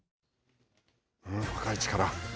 若い力。